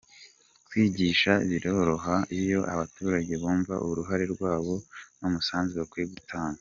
kwigisha biroroha iyo abaturage bumva uruhare rwabo n’umusanzu bakwiye gutanga.